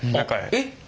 えっ！